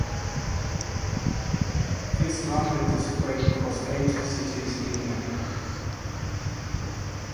This market is spread across eight cities in India.